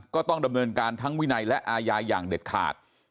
ก็ต้องดำเนินการทั้งวินัยและอาญาอย่างเด็ดขาด